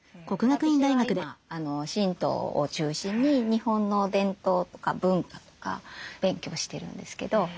私は今神道を中心に日本の伝統とか文化とか勉強してるんですけど。